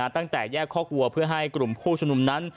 ตั้งแต่แยกคอกวัวเพื่อให้กลุ่มผู้ชุมนุมนั้น